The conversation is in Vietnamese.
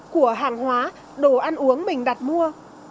của hàng hóa đồ ăn uống mình đặt mua